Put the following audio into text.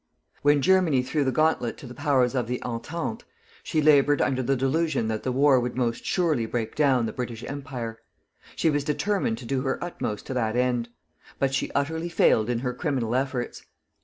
When Germany threw the gauntlet to the Powers of the "Entente," she labored under the delusion that the war would most surely break down the British Empire. She was determined to do her utmost to that end. But she utterly failed in her criminal efforts.